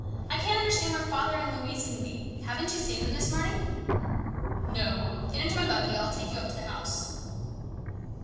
I can't understand where father and Louise can be. Haven't you seen them this morning ?"" No. Get into my buggy. I will take you up to the house."